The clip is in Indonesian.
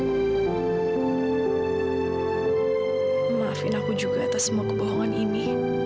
maafin aku juga atas semua kebohongan ini